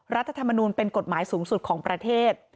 รัฐธรรมนูลเป็นกฎหมายสูงสุดของประเทศ